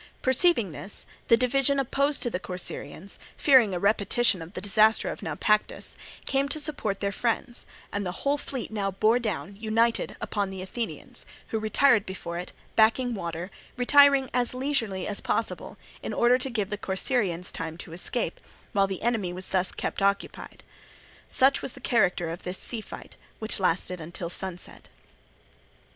Perceiving this, the division opposed to the Corcyraeans, fearing a repetition of the disaster of Naupactus, came to support their friends, and the whole fleet now bore down, united, upon the Athenians, who retired before it, backing water, retiring as leisurely as possible in order to give the Corcyraeans time to escape, while the enemy was thus kept occupied. Such was the character of this sea fight, which lasted until sunset.